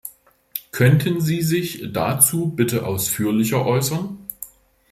Könnten Sie sich dazu bitte ausführlicher äußern?